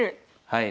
はい。